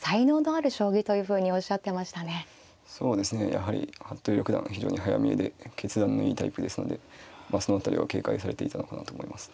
やはり服部六段は非常に早見えで決断のいいタイプですのでその辺りを警戒されていたのかなと思いますね。